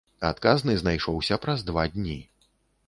Адказны знайшоўся праз два дні.